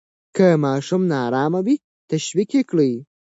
که ماشوم نا آرامه وي، تشویق یې کړئ.